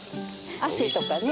汗とかね。